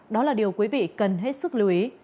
đó là điều quý vị cần hết sức lưu ý